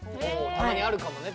たまにあるかもね